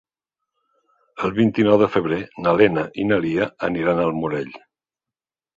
El vint-i-nou de febrer na Lena i na Lia aniran al Morell.